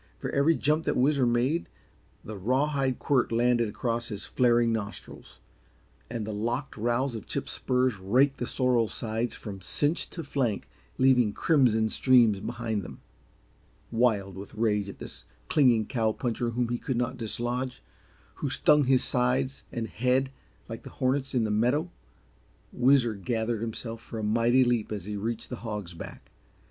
For every jump that Whizzer made the rawhide quirt landed across his flaring nostrils, and the locked rowels of Chip's spurs raked the sorrel sides from cinch to flank, leaving crimson streams behind them. Wild with rage at this clinging cow puncher whom he could not dislodge, who stung his sides and head like the hornets in the meadow, Whizzer gathered himself for a mighty leap as he reached the Hog's Back.